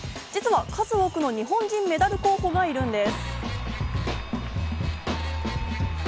数多くの日本人メダル候補がいるんです。